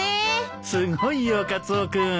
すごいよカツオ君。